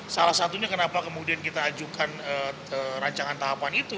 salah satunya kenapa kemudian kita ajukan rancangan tahapan itu